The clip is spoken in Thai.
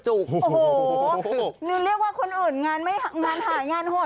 โอหอน่าจะเรียกว่าคนอื่นงานหางานหด